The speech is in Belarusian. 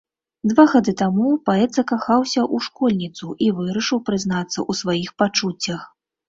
Два гады таму паэт закахаўся ў школьніцу і вырашыў прызнацца ў сваіх пачуццях.